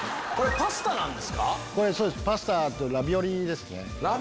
パスタとラビオリですね。